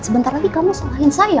sebentar lagi kamu salahin saya